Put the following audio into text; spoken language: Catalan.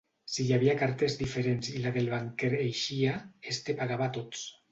Si hi havia cartes diferents i la del banquer eixia, este pagava a tots.